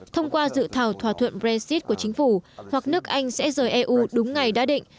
thông qua dự thảo thỏa thuận brexit của chính phủ hoặc nước anh sẽ rời eu đúng ngày đã định